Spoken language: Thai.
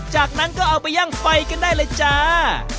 จากนั้นก็เอาไปยั่งไฟกันได้เลยจ้า